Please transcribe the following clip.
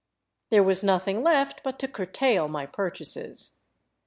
There was nothing left but to curtail my pur chases.